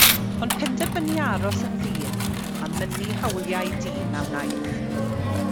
Ond penderfynu aros yn ddyn, a mynnu hawliau dyn, a wnaeth.